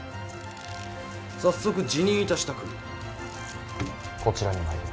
早速辞任いたしたくこちらに参りました。